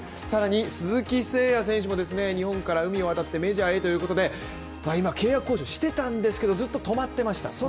更に鈴木誠也選手も日本から海を渡ってメジャーへということで今、契約交渉してたんですけどずっと止まってました。